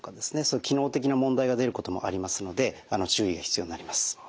機能的な問題が出ることもありますので注意が必要になります。